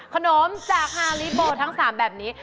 ขนมจากฮาลิโบทั้ง๓แบบนี้